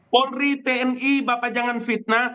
polri tni bapak jangan fitnah